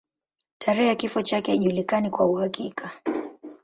Tarehe ya kifo chake haijulikani kwa uhakika.